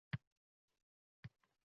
Yashaysan masrur.